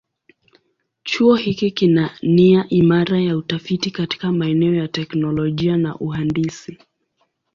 Chuo hiki kina nia imara ya utafiti katika maeneo ya teknolojia na uhandisi.